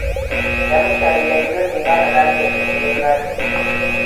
Yamukyalira emirundi nga munaana egidiringana.